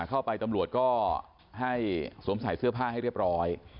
เข้าไปตำรวจก็ให้สวมใส่เสื้อผ้าให้เรียบร้อย